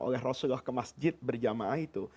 oleh rasulullah ke masjid berjamaah itu